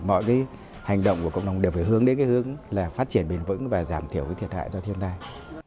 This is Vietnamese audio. mọi hành động của cộng đồng đều phải hướng đến phát triển bền vững và giảm thiểu thiệt hại do thiên tai